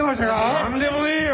何でもねえよ。